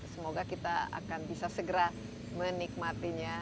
semoga kita akan bisa segera menikmatinya